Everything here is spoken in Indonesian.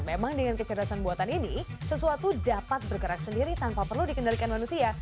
memang dengan kecerdasan buatan ini sesuatu dapat bergerak sendiri tanpa perlu dikendalikan manusia